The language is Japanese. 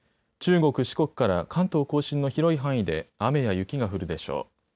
中国、四国から関東甲信の広い範囲で雨や雪が降るでしょう。